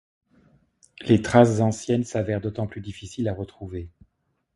Les traces anciennes s’avèrent d’autant plus difficiles à retrouver.